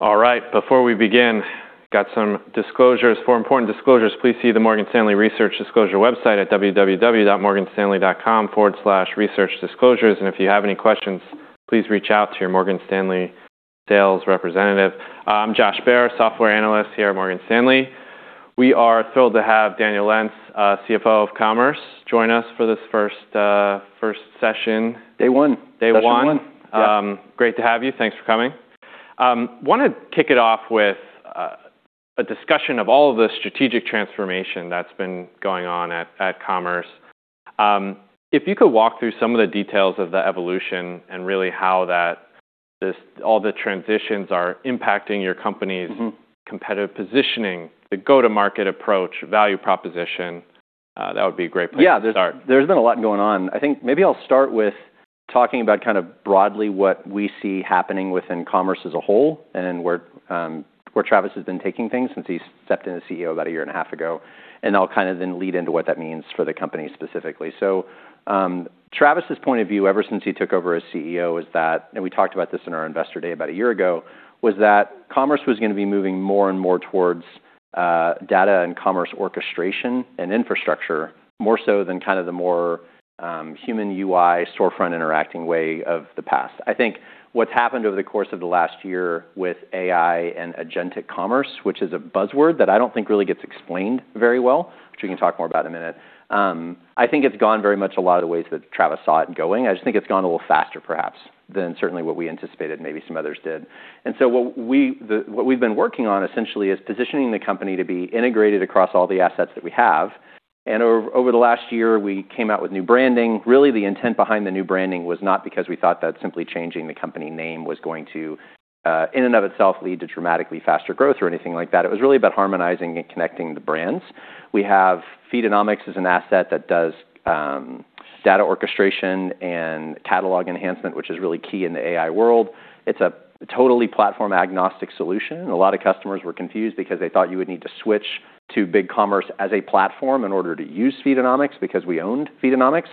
All right, before we begin, got some disclosures. For important disclosures, please see the Morgan Stanley Research Disclosure website at www.morganstanley.com/researchdisclosures. If you have any questions, please reach out to your Morgan Stanley sales representative. I'm Josh Baer, software analyst here at Morgan Stanley. We are thrilled to have Daniel Lentz, CFO of Commerce, join us for this first session. Day one. Day one. Session one. Yeah. Great to have you. Thanks for coming. Wanna kick it off with a discussion of all of the strategic transformation that's been going on at Commerce. If you could walk through some of the details of the evolution and really how that all the transitions are impacting your company's?-... Competitive positioning, the go-to-market approach, value proposition, that would be a great place to start? Yeah. There's been a lot going on. I think maybe I'll start with talking about kinda broadly what we see happening within commerce as a whole and where Travis has been taking things since he stepped in as CEO about a year and a half ago, and I'll kinda then lead into what that means for the company specifically. Travis' point of view ever since he took over as CEO is that, and we talked about this in our investor day about a year ago, was that commerce was gonna be moving more and more towards data and commerce orchestration and infrastructure, more so than kind of the more human UI storefront interacting way of the past. I think what's happened over the course of the last year with AI and agentic commerce, which is a buzzword that I don't think really gets explained very well, which we can talk more about in a minute, I think it's gone very much a lot of the ways that Travis saw it going. I just think it's gone a little faster perhaps than certainly what we anticipated, maybe some others did. What we've been working on essentially is positioning the company to be integrated across all the assets that we have. Over the last year, we came out with new branding. Really, the intent behind the new branding was not because we thought that simply changing the company name was going to, in and of itself lead to dramatically faster growth or anything like that. It was really about harmonizing and connecting the brands. We have Feedonomics as an asset that does data orchestration and catalog enhancement, which is really key in the AI world. It's a totally platform-agnostic solution. A lot of customers were confused because they thought you would need to switch to BigCommerce as a platform in order to use Feedonomics because we owned Feedonomics,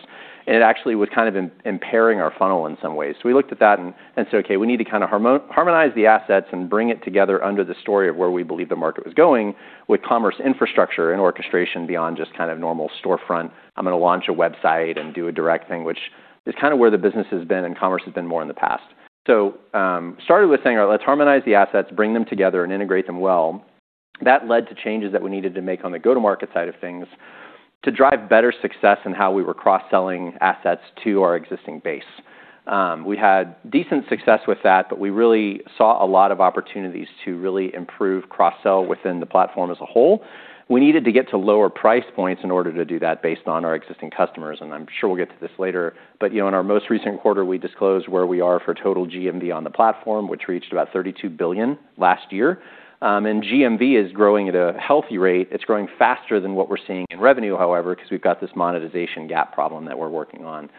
and it actually was kind of impairing our funnel in some ways. We looked at that and said, "Okay, we need to kinda harmonize the assets and bring it together under the story of where we believe the market was going with commerce infrastructure and orchestration beyond just kind of normal storefront. I'm gonna launch a website and do a direct thing," which is kinda where the business has been and commerce has been more in the past. Started with saying, "Let's harmonize the assets, bring them together, and integrate them well." That led to changes that we needed to make on the go-to-market side of things to drive better success in how we were cross-selling assets to our existing base. We had decent success with that, but we really saw a lot of opportunities to really improve cross-sell within the platform as a whole. We needed to get to lower price points in order to do that based on our existing customers, and I'm sure we'll get to this later. You know, in our most recent quarter, we disclosed where we are for total GMV on the platform, which reached about $32 billion last year. GMV is growing at a healthy rate. It's growing faster than what we're seeing in revenue, however, 'cause we've got this monetization gap problem that we're working on.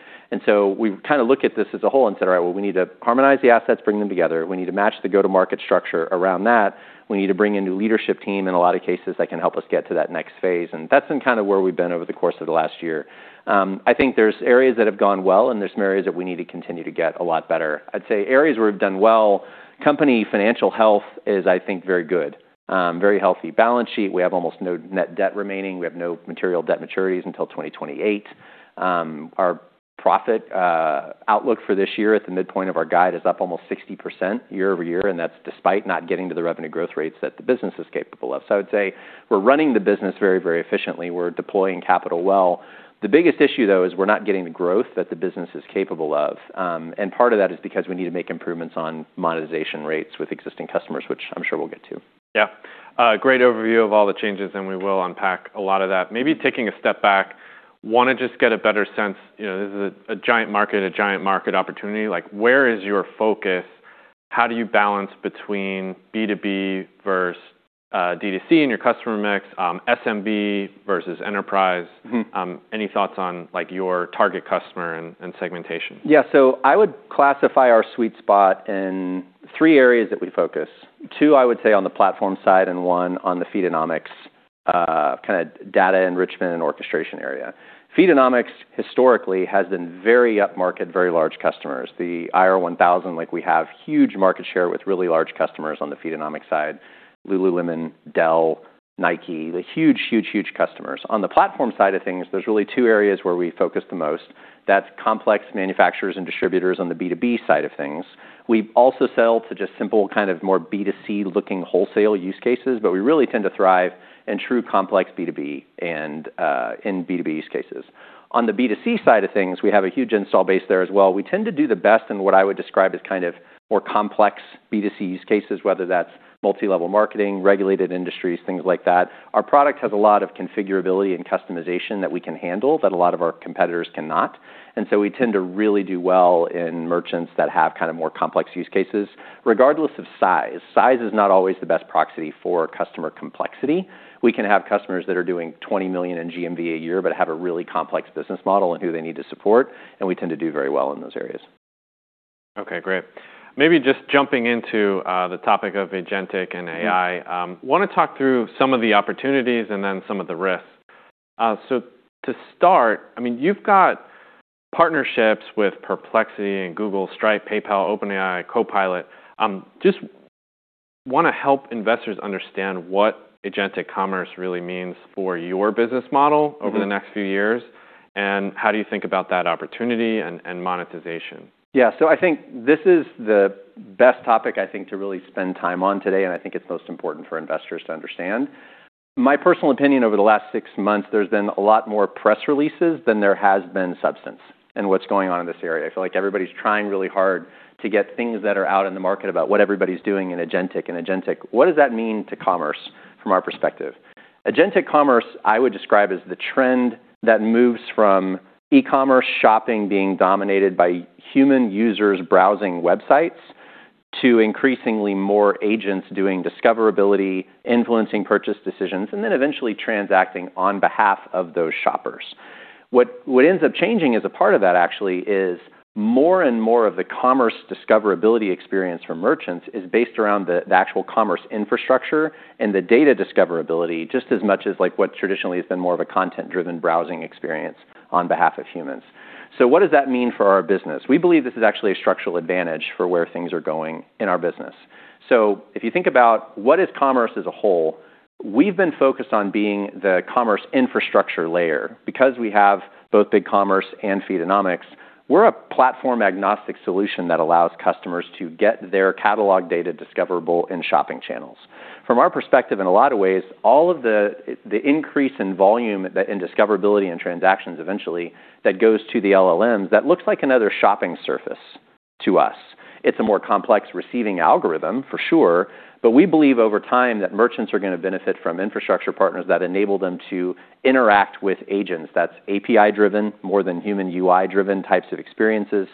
We've kinda looked at this as a whole and said, "All right, well, we need to harmonize the assets, bring them together. We need to match the go-to-market structure around that. We need to bring in new leadership team in a lot of cases that can help us get to that next phase." That's been kinda where we've been over the course of the last year. I think there's areas that have gone well, and there's some areas that we need to continue to get a lot better. I'd say areas where we've done well, company financial health is, I think, very good. Very healthy balance sheet. We have almost no net debt remaining. We have no material debt maturities until 2028. Our profit outlook for this year at the midpoint of our guide is up almost 60% year-over-year, and that's despite not getting to the revenue growth rates that the business is capable of. I would say we're running the business very, very efficiently. We're deploying capital well. The biggest issue, though, is we're not getting the growth that the business is capable of. Part of that is because we need to make improvements on monetization rates with existing customers, which I'm sure we'll get to. Yeah. great overview of all the changes. We will unpack a lot of that. Maybe taking a step back, wanna just get a better sense. You know, this is a giant market, a giant market opportunity. Like, where is your focus? How do you balance between B2B versus D2C in your customer mix, SMB versus enterprise? Any thoughts on, like, your target customer and segmentation? Yeah. I would classify our sweet spot in three areas that we focus. Two, I would say, on the platform side and one on the Feedonomics, kind of data enrichment and orchestration area. Feedonomics historically has been very upmarket, very large customers. The IR 1,000, like, we have huge market share with really large customers on the Feedonomics side. lululemon, Dell, Nike, the huge customers. On the platform side of things, there's really two areas where we focus the most. That's complex manufacturers and distributors on the B2B side of things. We also sell to just simple, kind of more B2C-looking wholesale use cases, but we really tend to thrive in true complex B2B and in B2B use cases. On the B2C side of things, we have a huge install base there as well. We tend to do the best in what I would describe as kind of more complex B2C use cases, whether that's multi-level marketing, regulated industries, things like that. Our product has a lot of configurability and customization that we can handle that a lot of our competitors cannot. We tend to really do well in merchants that have kind of more complex use cases, regardless of size. Size is not always the best proxy for customer complexity. We can have customers that are doing $20 million in GMV a year but have a really complex business model and who they need to support, and we tend to do very well in those areas. Okay, great. Maybe just jumping into the topic of agentic and AI. Wanna talk through some of the opportunities and then some of the risks. To start, I mean, you've got partnerships with Perplexity and Google, Stripe, PayPal, OpenAI, Copilot. Just wanna help investors understand what agentic commerce really means for your business model over the next few years, and how do you think about that opportunity and monetization? I think this is the best topic, I think, to really spend time on today, and I think it's most important for investors to understand. My personal opinion over the last 6 months, there's been a lot more press releases than there has been substance in what's going on in this area. I feel like everybody's trying really hard to get things that are out in the market about what everybody's doing in agentic and agentic. What does that mean to Commerce from our perspective? Agentic commerce, I would describe as the trend that moves from e-commerce shopping being dominated by human users browsing websites to increasingly more agents doing discoverability, influencing purchase decisions, and then eventually transacting on behalf of those shoppers. What ends up changing as a part of that actually is more and more of the commerce discoverability experience for merchants is based around the actual commerce infrastructure and the data discoverability, just as much as, like, what traditionally has been more of a content-driven browsing experience on behalf of humans. What does that mean for our business? We believe this is actually a structural advantage for where things are going in our business. If you think about what is commerce as a whole, we've been focused on being the commerce infrastructure layer. Because we have both BigCommerce and Feedonomics, we're a platform-agnostic solution that allows customers to get their catalog data discoverable in shopping channels. From our perspective, in a lot of ways, all of the increase in volume that... In discoverability and transactions eventually that goes to the LLMs, that looks like another shopping surface to us. It's a more complex receiving algorithm for sure, but we believe over time that merchants are gonna benefit from infrastructure partners that enable them to interact with agents that's API-driven more than human UI-driven types of experiences.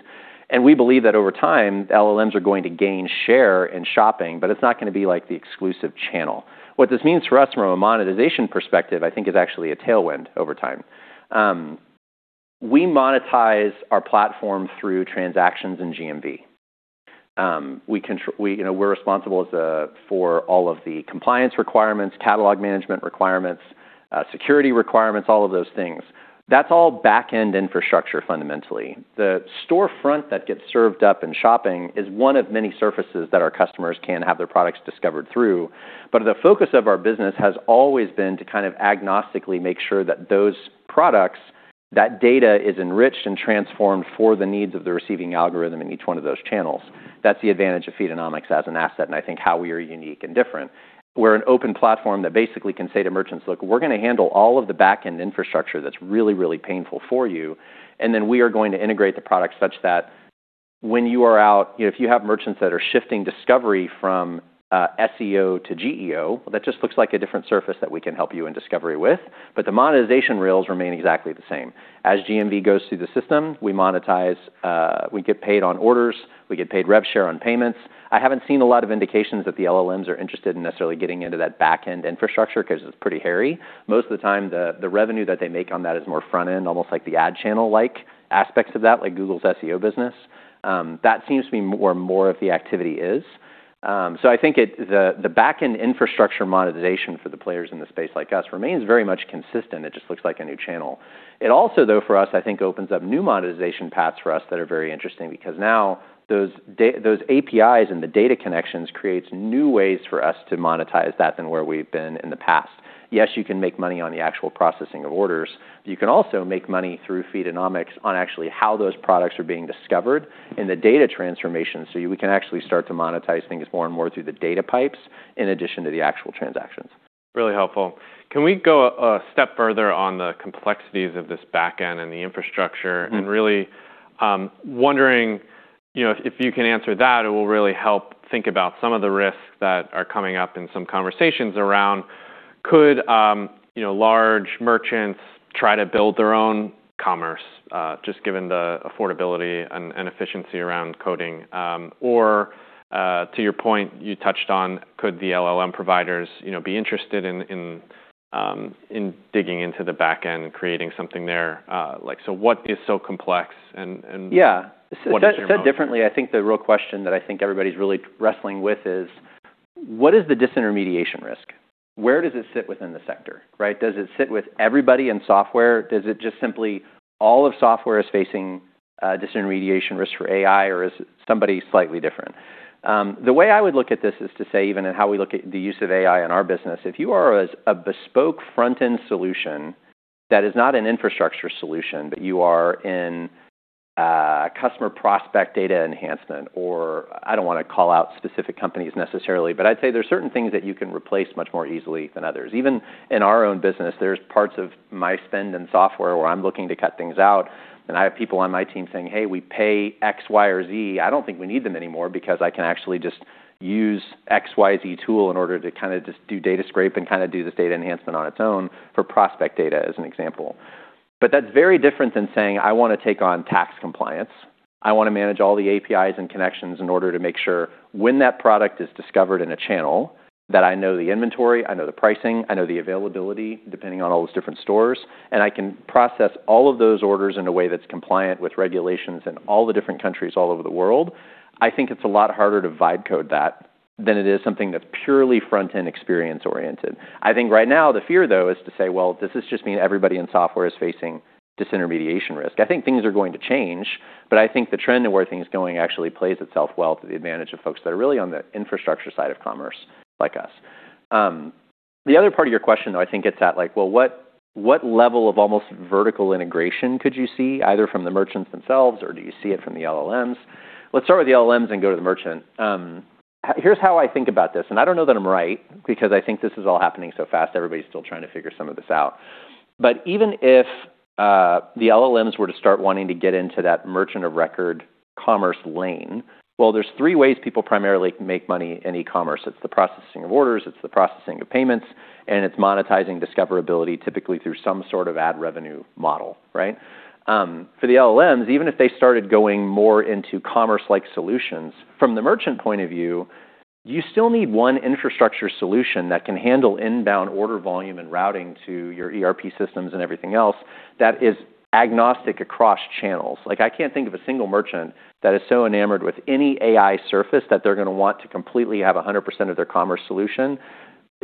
We believe that over time, LLMs are going to gain share in shopping, but it's not gonna be like the exclusive channel. What this means for us from a monetization perspective, I think is actually a tailwind over time. We monetize our platform through transactions in GMV. We, you know, we're responsible for all of the compliance requirements, catalog management requirements, security requirements, all of those things. That's all backend infrastructure fundamentally. The storefront that gets served up in shopping is one of many surfaces that our customers can have their products discovered through, the focus of our business has always been to kind of agnostically make sure that those products, that data is enriched and transformed for the needs of the receiving algorithm in each one of those channels. That's the advantage of Feedonomics as an asset, and I think how we are unique and different. We're an open platform that basically can say to merchants, "Look, we're gonna handle all of the backend infrastructure that's really, really painful for you, and then we are going to integrate the product such that when you are out, you know, if you have merchants that are shifting discovery from SEO to GEO, that just looks like a different surface that we can help you in discovery with." The monetization rails remain exactly the same. As GMV goes through the system, we monetize, we get paid on orders, we get paid rev share on payments. I haven't seen a lot of indications that the LLMs are interested in necessarily getting into that backend infrastructure 'cause it's pretty hairy. Most of the time, the revenue that they make on that is more front end, almost like the ad channel-like aspects of that, like Google's SEO business. That seems to be more of the activity is. I think the backend infrastructure monetization for the players in the space like us remains very much consistent. It just looks like a new channel. It also, though, for us, I think opens up new monetization paths for us that are very interesting because now those APIs and the data connections creates new ways for us to monetize that than where we've been in the past. Yes, you can make money on the actual processing of orders. You can also make money through Feedonomics on actually how those products are being discovered and the data transformation. We can actually start to monetize things more and more through the data pipes in addition to the actual transactions. Really helpful. Can we go a step further on the complexities of this backend and the infrastructure? Really, wondering, you know, if you can answer that, it will really help think about some of the risks that are coming up in some conversations around could, you know, large merchants try to build their own commerce, just given the affordability and efficiency around coding? To your point, you touched on could the LLM providers, you know, be interested in digging into the backend, creating something there. Like, what is so complex? Yeah. What is your- Said differently, I think the real question that I think everybody's really wrestling with is what is the disintermediation risk? Where does it sit within the sector, right? Does it sit with everybody in software? Does it just simply all of software is facing disintermediation risk for AI, or is it somebody slightly different? The way I would look at this is to say, even in how we look at the use of AI in our business, if you are a bespoke front-end solution that is not an infrastructure solution, but you are in customer prospect data enhancement, or I don't wanna call out specific companies necessarily, but I'd say there's certain things that you can replace much more easily than others. Even in our own business, there's parts of my spend in software where I'm looking to cut things out, and I have people on my team saying, "Hey, we pay X, Y, or Z. I don't think we need them anymore because I can actually just use XYZ tool in order to kinda just do data scrape and kinda do this data enhancement on its own for prospect data," as an example. That's very different than saying, "I wanna take on tax compliance. I wanna manage all the APIs and connections in order to make sure when that product is discovered in a channel. That I know the inventory, I know the pricing, I know the availability, depending on all those different stores, and I can process all of those orders in a way that's compliant with regulations in all the different countries all over the world. I think it's a lot harder to vibe code that than it is something that's purely front-end experience oriented. I think right now the fear, though, is to say, well, does this just mean everybody in software is facing disintermediation risk? I think things are going to change, but I think the trend of where things going actually plays itself well to the advantage of folks that are really on the infrastructure side of commerce like us. The other part of your question, though, I think it's at, like, well, what level of almost vertical integration could you see either from the merchants themselves or do you see it from the LLMs? Let's start with the LLMs and go to the merchant. Here's how I think about this, and I don't know that I'm right because I think this is all happening so fast, everybody's still trying to figure some of this out. Even if the LLMs were to start wanting to get into that merchant of record commerce lane, well, there's three ways people primarily make money in e-commerce. It's the processing of orders, it's the processing of payments, and it's monetizing discoverability, typically through some sort of ad revenue model, right? For the LLMs, even if they started going more into commerce-like solutions, from the merchant point of view, you still need one infrastructure solution that can handle inbound order volume and routing to your ERP systems and everything else that is agnostic across channels. Like, I can't think of a single merchant that is so enamored with any AI surface that they're gonna want to completely have 100% of their commerce solution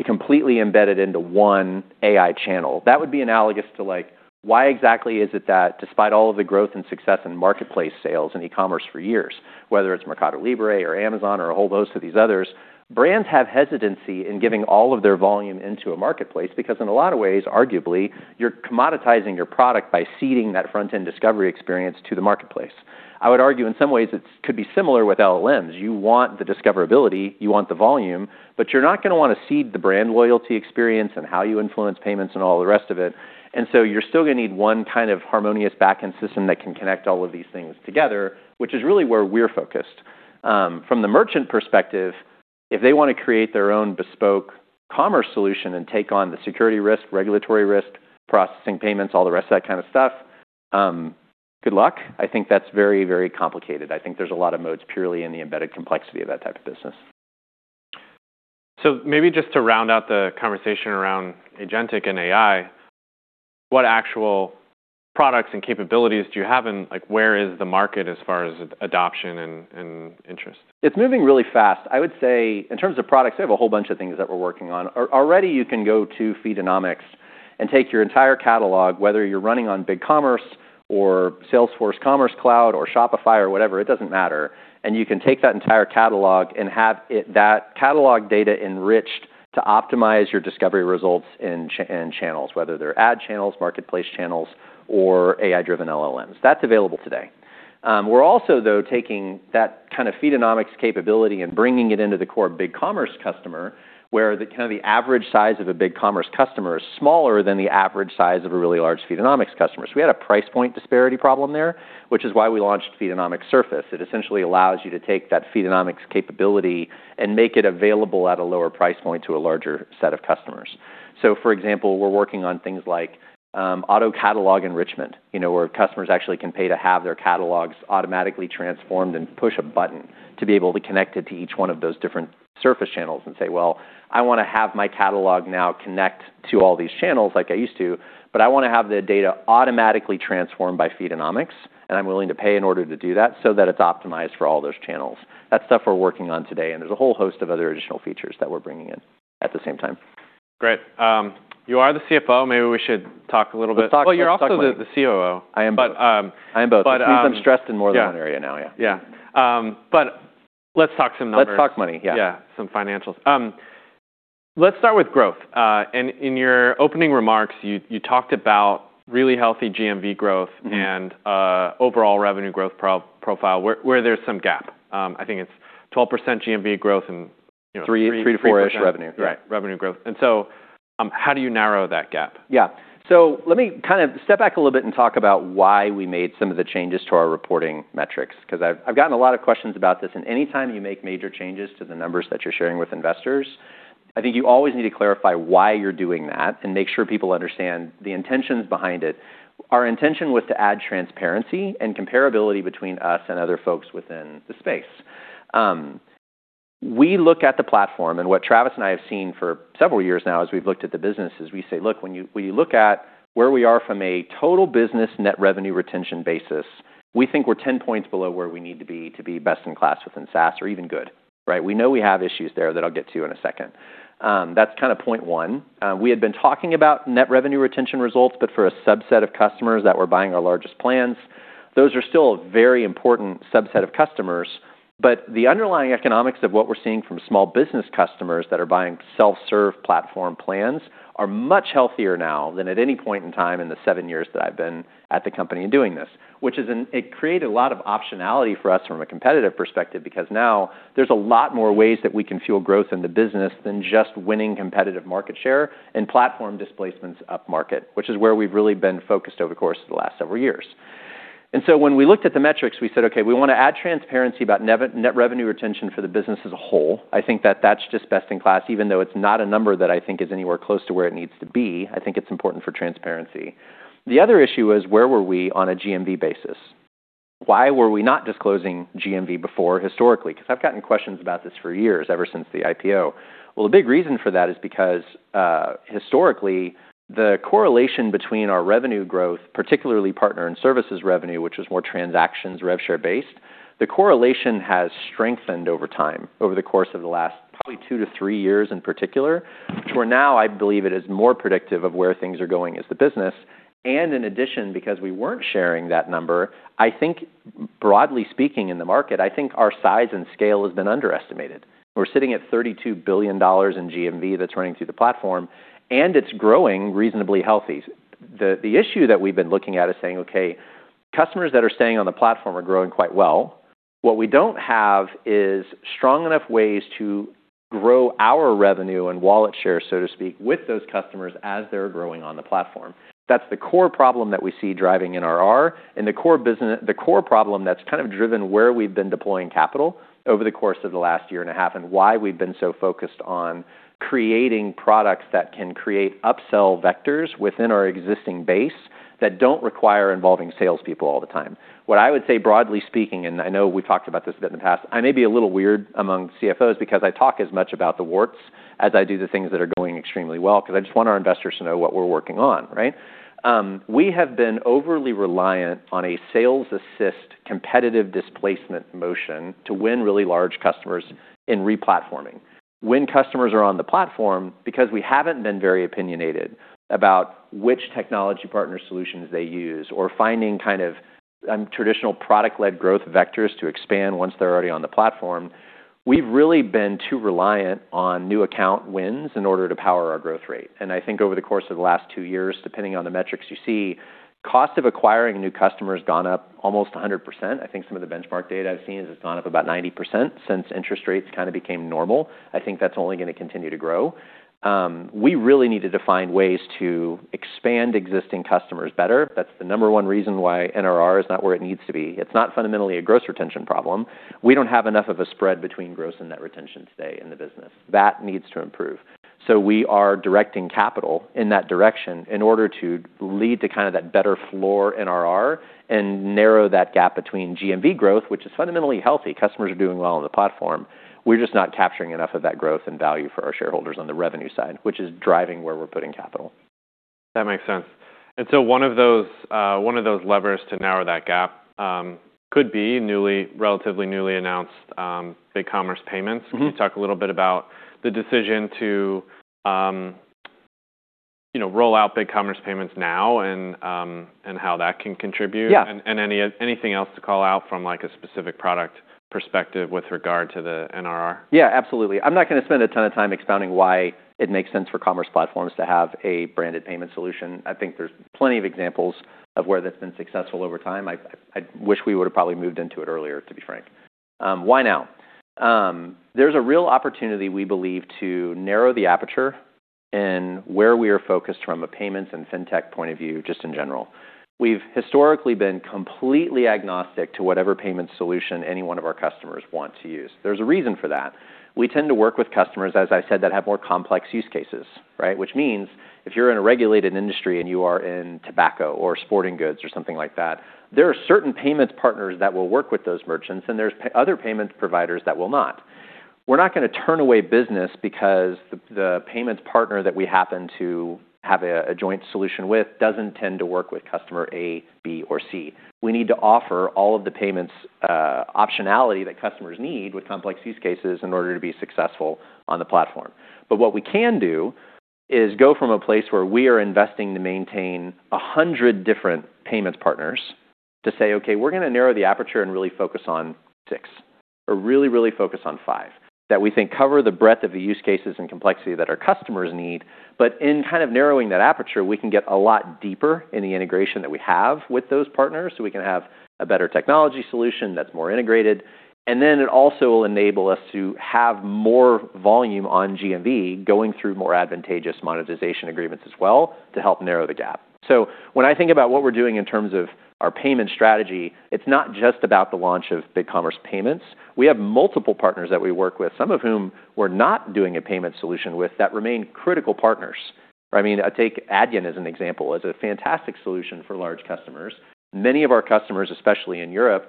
completely embedded into one AI channel. That would be analogous to, like, why exactly is it that despite all of the growth and success in marketplace sales and e-commerce for years, whether it's Mercado Libre or Amazon or a whole host of these others, brands have hesitancy in giving all of their volume into a marketplace because in a lot of ways, arguably, you're commoditizing your product by seeding that front-end discovery experience to the marketplace. I would argue in some ways it could be similar with LLMs. You want the discoverability, you want the volume, you're not gonna wanna seed the brand loyalty experience and how you influence payments and all the rest of it. You're still gonna need one kind of harmonious back-end system that can connect all of these things together, which is really where we're focused. From the merchant perspective, if they wanna create their own bespoke commerce solution and take on the security risk, regulatory risk, processing payments, all the rest of that kind of stuff, good luck. I think that's very, very complicated. I think there's a lot of modes purely in the embedded complexity of that type of business. Maybe just to round out the conversation around agentic and AI, what actual products and capabilities do you have and, like, where is the market as far as adoption and interest? It's moving really fast. I would say in terms of products, we have a whole bunch of things that we're working on. Already, you can go to Feedonomics and take your entire catalog, whether you're running on BigCommerce or Salesforce Commerce Cloud or Shopify or whatever, it doesn't matter, and you can take that entire catalog and have that catalog data enriched to optimize your discovery results in channels, whether they're ad channels, marketplace channels, or AI-driven LLMs. That's available today. We're also, though, taking that kind of Feedonomics capability and bringing it into the core BigCommerce customer, where the kind of the average size of a BigCommerce customer is smaller than the average size of a really large Feedonomics customer. We had a price point disparity problem there, which is why we launched Feedonomics Surface. It essentially allows you to take that Feedonomics capability and make it available at a lower price point to a larger set of customers. For example, we're working on things like, auto catalog enrichment, you know, where customers actually can pay to have their catalogs automatically transformed and push a button to be able to connect it to each one of those different surface channels and say, "Well, I wanna have my catalog now connect to all these channels like I used to, but I wanna have the data automatically transformed by Feedonomics, and I'm willing to pay in order to do that so that it's optimized for all those channels." That's stuff we're working on today. There's a whole host of other additional features that we're bringing in at the same time. Great. You are the CFO. Maybe we should talk a little bit. Let's talk, let's talk money. Well, you're also the COO. I am both. But, um- I am both. But, um- Which means I'm stressed in more than one area now. Yeah. Yeah. Let's talk some numbers. Let's talk money. Yeah. Yeah. Some financials. Let's start with growth. In your opening remarks, you talked about really healthy GMV growth... -And, overall revenue growth profile where there's some gap. I think it's 12% GMV growth and, you know, three. $3-$4ish revenue. Right. Revenue growth. How do you narrow that gap? Yeah. Let me kind of step back a little bit and talk about why we made some of the changes to our reporting metrics, 'cause I've gotten a lot of questions about this, and any time you make major changes to the numbers that you're sharing with investors, I think you always need to clarify why you're doing that and make sure people understand the intentions behind it. Our intention was to add transparency and comparability between us and other folks within the space. We look at the platform, and what Travis and I have seen for several years now as we've looked at the business is we say, "Look, when you, when you look at where we are from a total business net revenue retention basis, we think we're 10 points below where we need to be to be best in class within SaaS or even good," right? We know we have issues there that I'll get to in a second. That's kinda point one. We had been talking about net revenue retention results, but for a subset of customers that were buying our largest plans. Those are still a very important subset of customers, but the underlying economics of what we're seeing from small business customers that are buying self-serve platform plans are much healthier now than at any point in time in the seven years that I've been at the company and doing this. It created a lot of optionality for us from a competitive perspective because now there's a lot more ways that we can fuel growth in the business than just winning competitive market share and platform displacements up market, which is where we've really been focused over the course of the last several years. When we looked at the metrics, we said, "Okay, we wanna add transparency about net revenue retention for the business as a whole." I think that that's just best in class, even though it's not a number that I think is anywhere close to where it needs to be. I think it's important for transparency. The other issue is where were we on a GMV basis? Why were we not disclosing GMV before historically? I've gotten questions about this for years, ever since the IPO. Well, a big reason for that is because historically, the correlation between our revenue growth, particularly partner and services revenue, which was more transactions rev share based, the correlation has strengthened over time, over the course of the last probably two to three years in particular, which where now I believe it is more predictive of where things are going as the business. In addition, because we weren't sharing that number, I think broadly speaking in the market, I think our size and scale has been underestimated. We're sitting at $32 billion in GMV that's running through the platform, and it's growing reasonably healthy. The issue that we've been looking at is saying, okay, customers that are staying on the platform are growing quite well. What we don't have is strong enough ways to grow our revenue and wallet share, so to speak, with those customers as they're growing on the platform. That's the core problem that we see driving NRR and the core problem that's kind of driven where we've been deploying capital over the course of the last year and a half, and why we've been so focused on creating products that can create upsell vectors within our existing base that don't require involving salespeople all the time. What I would say, broadly speaking, and I know we've talked about this a bit in the past, I may be a little weird among CFOs because I talk as much about the warts as I do the things that are going extremely well, 'cause I just want our investors to know what we're working on, right? We have been overly reliant on a sales assist competitive displacement motion to win really large customers in re-platforming. When customers are on the platform, because we haven't been very opinionated about which technology partner solutions they use or finding kind of traditional product-led growth vectors to expand once they're already on the platform, we've really been too reliant on new account wins in order to power our growth rate. I think over the course of the last 2 years, depending on the metrics you see, cost of acquiring a new customer has gone up almost 100%. I think some of the benchmark data I've seen is it's gone up about 90% since interest rates kind of became normal. I think that's only gonna continue to grow. We really need to define ways to expand existing customers better. That's the number one reason why NRR is not where it needs to be. It's not fundamentally a gross retention problem. We don't have enough of a spread between gross and net retention today in the business. That needs to improve. We are directing capital in that direction in order to lead to kind of that better floor NRR and narrow that gap between GMV growth, which is fundamentally healthy. Customers are doing well on the platform. We're just not capturing enough of that growth and value for our shareholders on the revenue side, which is driving where we're putting capital. That makes sense. One of those, one of those levers to narrow that gap, could be relatively newly announced, BigCommerce Payments. Can you talk a little bit about the decision to, you know, roll out BigCommerce Payments now and how that can contribute? Yeah. Anything else to call out from like a specific product perspective with regard to the NRR? Yeah, absolutely. I'm not gonna spend a ton of time expounding why it makes sense for commerce platforms to have a branded payment solution. I think there's plenty of examples of where that's been successful over time. I wish we would've probably moved into it earlier, to be frank. Why now? There's a real opportunity we believe to narrow the aperture in where we are focused from a payments and fintech point of view, just in general. We've historically been completely agnostic to whatever payment solution any one of our customers want to use. There's a reason for that. We tend to work with customers, as I said, that have more complex use cases, right? Which means if you're in a regulated industry and you are in tobacco or sporting goods or something like that, there are certain payments partners that will work with those merchants, and there's other payment providers that will not. We're not gonna turn away business because the payments partner that we happen to have a joint solution with doesn't tend to work with customer A, B, or C. We need to offer all of the payments optionality that customers need with complex use cases in order to be successful on the platform. What we can do is go from a place where we are investing to maintain 100 different payments partners to say, "Okay, we're gonna narrow the aperture and really focus on six or really focus on five," that we think cover the breadth of the use cases and complexity that our customers need. In kind of narrowing that aperture, we can get a lot deeper in the integration that we have with those partners, so we can have a better technology solution that's more integrated. Then it also will enable us to have more volume on GMV going through more advantageous monetization agreements as well to help narrow the gap. When I think about what we're doing in terms of our payment strategy, it's not just about the launch of BigCommerce Payments. We have multiple partners that we work with, some of whom we're not doing a payment solution with that remain critical partners, right? I mean, I take Adyen as an example. It's a fantastic solution for large customers. Many of our customers, especially in Europe,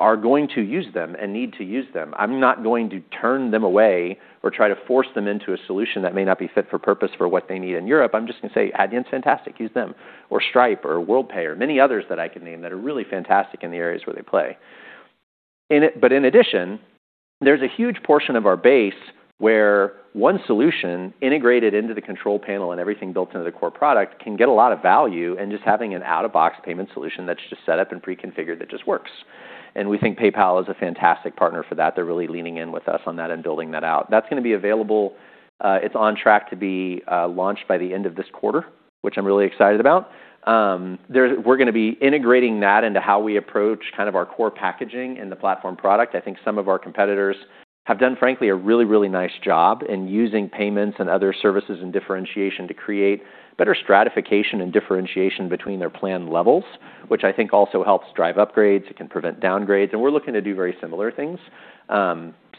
are going to use them and need to use them. I'm not going to turn them away or try to force them into a solution that may not be fit for purpose for what they need in Europe. I'm just gonna say, "Adyen's fantastic. Use them." Stripe or Worldpay or many others that I can name that are really fantastic in the areas where they play. In addition, there's a huge portion of our base where one solution integrated into the control panel and everything built into the core product can get a lot of value in just having an out-of-box payment solution that's just set up and pre-configured that just works. We think PayPal is a fantastic partner for that. They're really leaning in with us on that and building that out. That's gonna be available, it's on track to be launched by the end of this quarter, which I'm really excited about. We're gonna be integrating that into how we approach kind of our core packaging in the platform product. I think some of our competitors have done, frankly, a really, really nice job in using payments and other services and differentiation to create better stratification and differentiation between their plan levels, which I think also helps drive upgrades. It can prevent downgrades, and we're looking to do very similar things.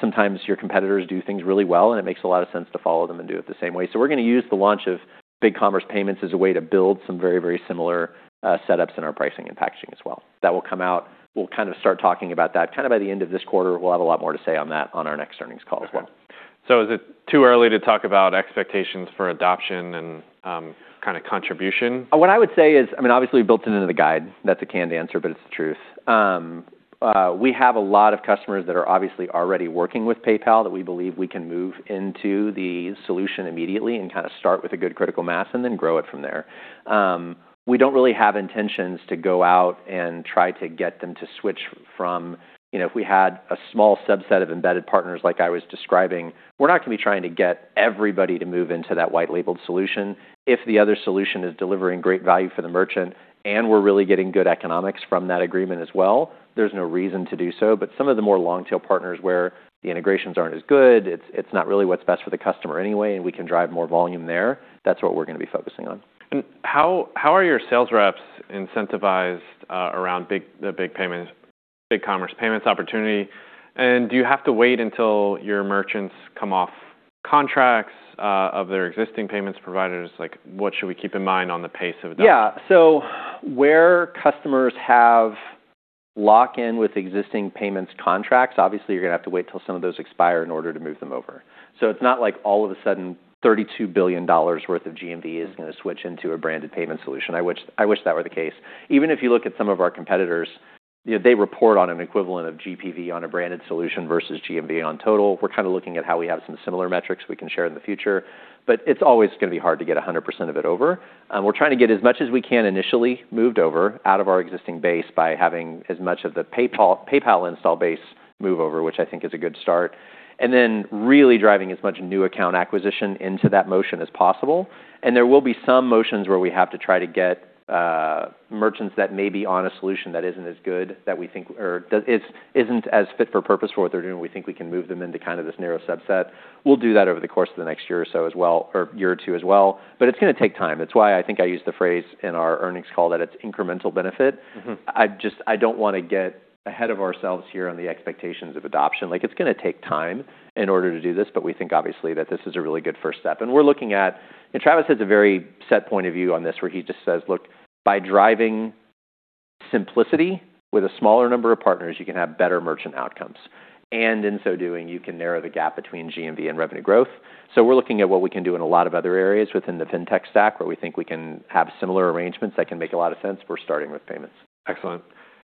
Sometimes your competitors do things really well, and it makes a lot of sense to follow them and do it the same way. We're gonna use the launch of BigCommerce Payments as a way to build some very, very similar setups in our pricing and packaging as well. That will come out. We'll kind of start talking about that kind of by the end of this quarter. We'll have a lot more to say on that on our next earnings call as well. Is it too early to talk about expectations for adoption and, kinda contribution? What I would say is, I mean, obviously we built it into the guide. That's a canned answer, but it's the truth. We have a lot of customers that are obviously already working with PayPal that we believe we can move into the solution immediately and kinda start with a good critical mass and then grow it from there. We don't really have intentions to go out and try to get them to switch from... You know, if we had a small subset of embedded partners like I was describing, we're not gonna be trying to get everybody to move into that white-labeled solution. If the other solution is delivering great value for the merchant, and we're really getting good economics from that agreement as well, there's no reason to do so. Some of the more long-tail partners where the integrations aren't as good, it's not really what's best for the customer anyway, and we can drive more volume there, that's what we're gonna be focusing on. How are your sales reps incentivized around the BigCommerce Payments opportunity? Do you have to wait until your merchants come off contracts of their existing payments providers? Like, what should we keep in mind on the pace of adoption? Yeah. Where customers have lock-in with existing payments contracts, obviously you're gonna have to wait till some of those expire in order to move them over. It's not like all of a sudden $32 billion worth of GMV is gonna switch into a branded payment solution. I wish that were the case. Even if you look at some of our competitors, you know, they report on an equivalent of GPV on a branded solution versus GMV on total. We're kinda looking at how we have some similar metrics we can share in the future, but it's always gonna be hard to get 100% of it over. We're trying to get as much as we can initially moved over out of our existing base by having as much of the PayPal install base move over, which I think is a good start, and then really driving as much new account acquisition into that motion as possible. There will be some motions where we have to try to get merchants that may be on a solution that isn't as good that we think or isn't as fit for purpose for what they're doing, we think we can move them into kind of this narrow subset. We'll do that over the course of the next year or so as well, or year or two as well, but it's gonna take time. That's why I think I used the phrase in our earnings call that it's incremental benefit. I don't wanna get ahead of ourselves here on the expectations of adoption. Like, it's gonna take time in order to do this, but we think obviously that this is a really good first step. We're looking at, and Travis has a very set point of view on this, where he just says, "Look, by driving simplicity with a smaller number of partners, you can have better merchant outcomes, and in so doing, you can narrow the gap between GMV and revenue growth." We're looking at what we can do in a lot of other areas within the fintech stack where we think we can have similar arrangements that can make a lot of sense. We're starting with payments. Excellent.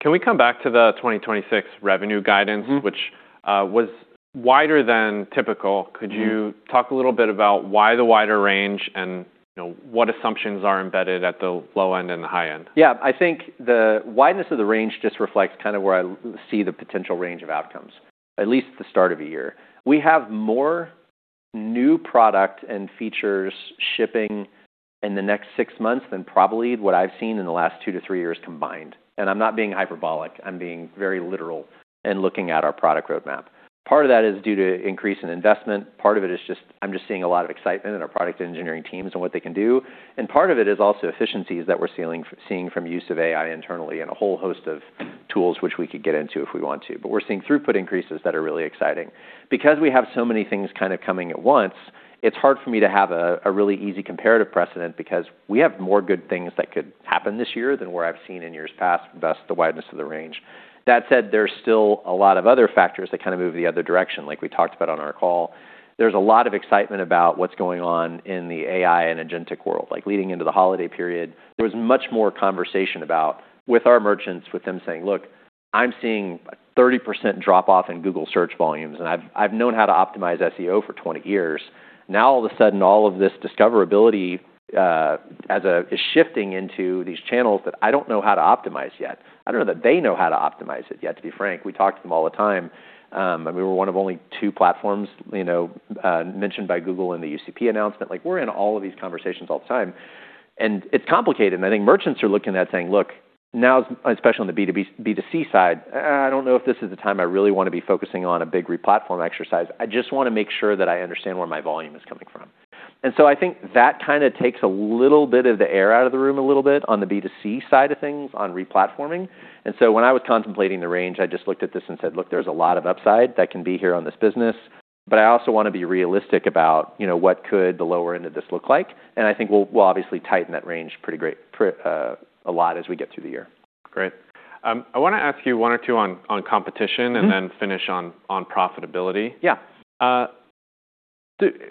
Can we come back to the 2026 revenue guidance? -Which, was wider than typical. Could you talk a little bit about why the wider range and, you know, what assumptions are embedded at the low end and the high end? I think the wideness of the range just reflects kinda where I see the potential range of outcomes, at least at the start of a year. We have more new product and features shipping in the next six months than probably what I've seen in the last 2-3 years combined. I'm not being hyperbolic, I'm being very literal in looking at our product roadmap. Part of that is due to increase in investment, part of it is just I'm just seeing a lot of excitement in our product engineering teams and what they can do, and part of it is also efficiencies that we're seeing from use of AI internally and a whole host of tools which we could get into if we want to. We're seeing throughput increases that are really exciting. Because we have so many things kinda coming at once, it's hard for me to have a really easy comparative precedent because we have more good things that could happen this year than what I've seen in years past, thus the wideness of the range. That said, there's still a lot of other factors that kinda move the other direction, like we talked about on our call. There's a lot of excitement about what's going on in the AI and agentic world. Like leading into the holiday period, there was much more conversation about with our merchants, with them saying, "Look, I'm seeing a 30% drop-off in Google search volumes, and I've known how to optimize SEO for 20 years. Now all of a sudden, all of this discoverability, as a, is shifting into these channels that I don't know how to optimize yet." I don't know that they know how to optimize it yet, to be frank. We talk to them all the time, we were one of only two platforms, you know, mentioned by Google in the UCP announcement. Like, we're in all of these conversations all the time, and it's complicated. I think merchants are looking at it saying, "Look, now," especially on the B2C side, "Eh, I don't know if this is the time I really wanna be focusing on a big re-platform exercise. I just wanna make sure that I understand where my volume is coming from." I think that kinda takes a little bit of the air out of the room a little bit on the B2C side of things on re-platforming. When I was contemplating the range, I just looked at this and said, "Look, there's a lot of upside that can be here on this business, but I also wanna be realistic about, you know, what could the lower end of this look like." I think we'll obviously tighten that range pretty great, a lot as we get through the year. Great. I wanna ask you one or two on competition... Finish on profitability. Yeah. I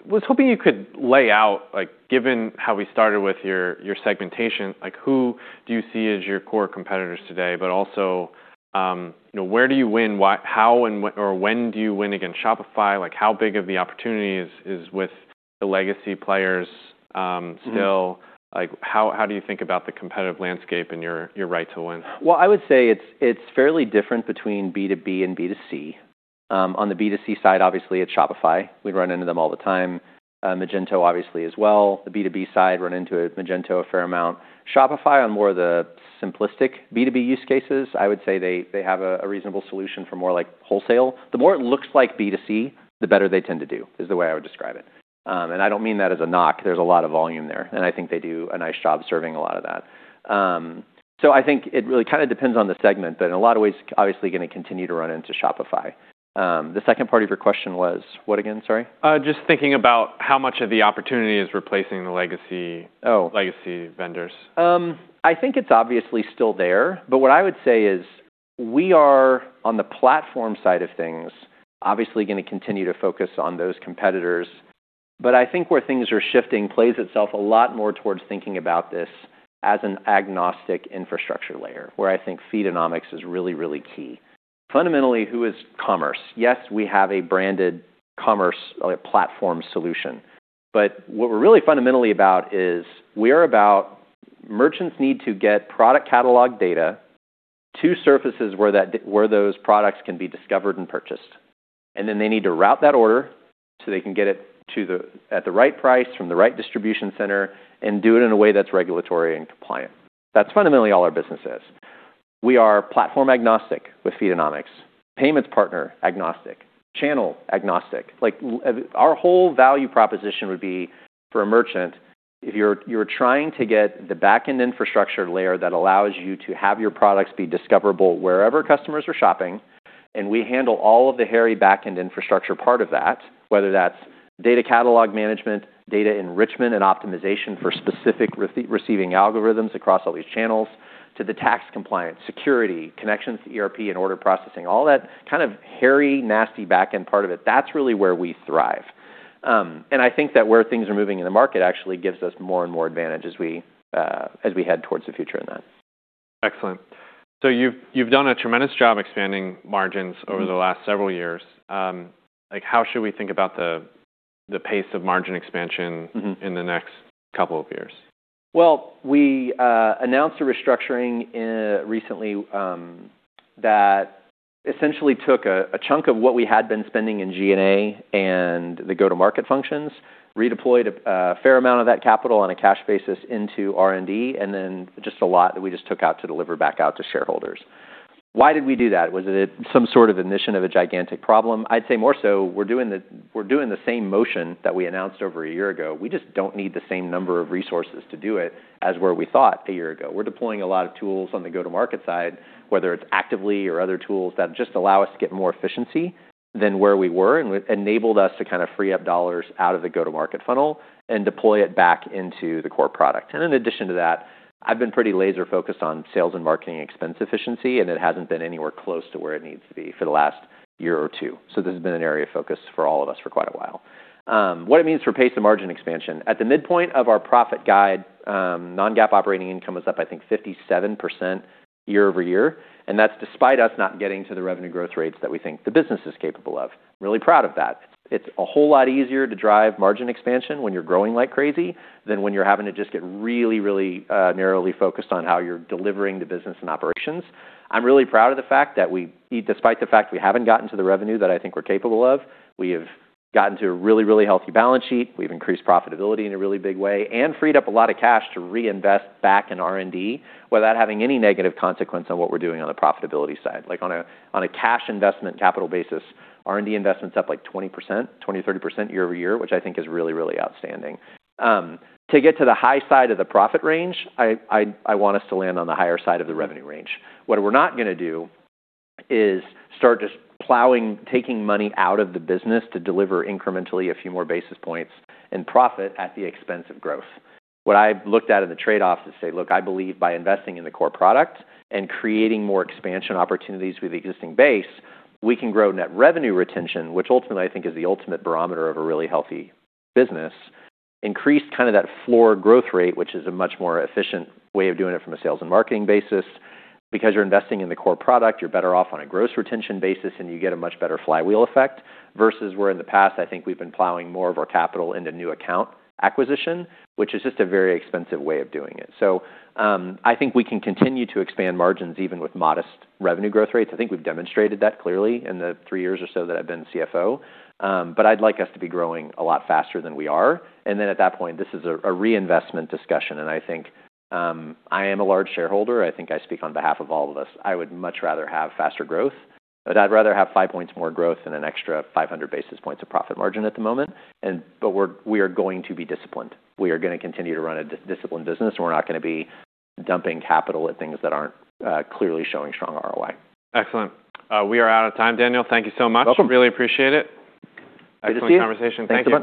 was hoping you could lay out, like given how we started with your segmentation, like who do you see as your core competitors today, but also, you know, where do you win? How and when do you win against Shopify? Like, how big of the opportunity is with the legacy players still? Like, how do you think about the competitive landscape and your right to win? Well, I would say it's fairly different between B2B and B2C. On the B2C side, obviously it's Shopify. We run into them all the time. Magento obviously as well. The B2B side run into Magento a fair amount. Shopify on more of the simplistic B2B use cases, I would say they have a reasonable solution for more like wholesale. The more it looks like B2C, the better they tend to do, is the way I would describe it. I don't mean that as a knock. There's a lot of volume there, and I think they do a nice job serving a lot of that. I think it really kinda depends on the segment, but in a lot of ways obviously gonna continue to run into Shopify. The second part of your question was what again? Sorry. Just thinking about how much of the opportunity is replacing the legacy. Oh. Legacy vendors. I think it's obviously still there, but what I would say is. We are on the platform side of things, obviously gonna continue to focus on those competitors. I think where things are shifting plays itself a lot more towards thinking about this as an agnostic infrastructure layer, where I think Feedonomics is really, really key. Fundamentally, who is Commerce? Yes, we have a branded Commerce, like, platform solution, but what we're really fundamentally about is we are about merchants need to get product catalog data to surfaces where those products can be discovered and purchased, and they need to route that order so they can get it to the, at the right price from the right distribution center and do it in a way that's regulatory and compliant. That's fundamentally all our business is. We are platform agnostic with Feedonomics, payments partner agnostic, channel agnostic. Like, our whole value proposition would be for a merchant, if you're trying to get the backend infrastructure layer that allows you to have your products be discoverable wherever customers are shopping, and we handle all of the hairy backend infrastructure part of that, whether that's data catalog management, data enrichment and optimization for specific receiving algorithms across all these channels to the tax compliance, security, connections to ERP and order processing, all that kind of hairy, nasty backend part of it, that's really where we thrive. I think that where things are moving in the market actually gives us more and more advantage as we head towards the future in that. Excellent. you've done a tremendous job expanding margins.... Over the last several years. like, how should we think about the pace of margin expansion? in the next couple of years? Well, we announced a restructuring recently that essentially took a chunk of what we had been spending in G&A and the go-to-market functions, redeployed a fair amount of that capital on a cash basis into R&D, and then just a lot that we just took out to deliver back out to shareholders. Why did we do that? Was it some sort of admission of a gigantic problem? I'd say more so we're doing the same motion that we announced over a year ago. We just don't need the same number of resources to do it as where we thought a year ago. We're deploying a lot of tools on the go-to-market side, whether it's Klaviyo or other tools that just allow us to get more efficiency than where we were, and enabled us to kind of free up dollars out of the go-to-market funnel and deploy it back into the core product. In addition to that, I've been pretty laser focused on sales and marketing expense efficiency, and it hasn't been anywhere close to where it needs to be for the last year or two. This has been an area of focus for all of us for quite a while. What it means for pace and margin expansion. At the midpoint of our profit guide, non-GAAP operating income was up, I think, 57% year-over-year, that's despite us not getting to the revenue growth rates that we think the business is capable of. Really proud of that. It's a whole lot easier to drive margin expansion when you're growing like crazy than when you're having to just get really, really narrowly focused on how you're delivering the business and operations. I'm really proud of the fact that we, despite the fact we haven't gotten to the revenue that I think we're capable of, we have gotten to a really, really healthy balance sheet, we've increased profitability in a really big way and freed up a lot of cash to reinvest back in R&D without having any negative consequence on what we're doing on the profitability side. Like, on a cash investment capital basis, R&D investment's up, like, 20%, 20%-30% year-over-year, which I think is really, really outstanding. To get to the high side of the profit range, I want us to land on the higher side of the revenue range. What we're not gonna do is start just plowing, taking money out of the business to deliver incrementally a few more basis points and profit at the expense of growth. What I've looked at in the trade-offs to say, look, I believe by investing in the core product and creating more expansion opportunities with the existing base, we can grow net revenue retention, which ultimately I think is the ultimate barometer of a really healthy business, increase kind of that floor growth rate, which is a much more efficient way of doing it from a sales and marketing basis. Because you're investing in the core product, you're better off on a gross retention basis, and you get a much better flywheel effect, versus where in the past I think we've been plowing more of our capital into new account acquisition, which is just a very expensive way of doing it. I think we can continue to expand margins even with modest revenue growth rates. I think we've demonstrated that clearly in the three years or so that I've been CFO. I'd like us to be growing a lot faster than we are, and then at that point, this is a reinvestment discussion, and I think I am a large shareholder, I think I speak on behalf of all of us. I would much rather have faster growth, but I'd rather have 5 points more growth than an extra 500 basis points of profit margin at the moment. We are going to be disciplined. We are gonna continue to run a disciplined business. We're not gonna be dumping capital at things that aren't clearly showing strong ROI. Excellent. We are out of time, Daniel. Thank you so much. Welcome. Really appreciate it. Good to see you. Excellent conversation. Thank you.